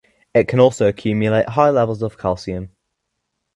It can also accumulate high levels of calcium.